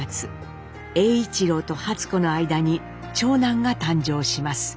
栄一郎と初子の間に長男が誕生します。